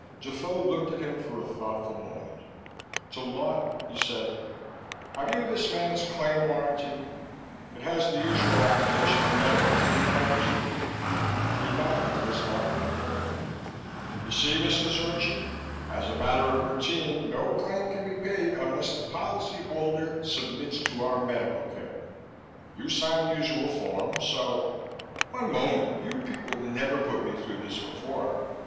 Defoe looked at him for a thoughtful moment. To Lawton, he said: "Have you this man's claim warranty? It has the usual application for medical treatment, I presume?" He nodded as Lawton confirmed it. "You see, Mr. Zorchi? As a matter of routine, no claim can be paid unless the policyholder submits to our medical care. You signed the usual form, so " "One moment! You people never put me through this before!